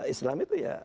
islam itu ya